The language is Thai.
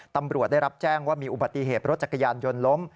ตำรวจได้รับแจ้งว่ามีอุบัติเหตุรถจักรยานยนต์ล้ม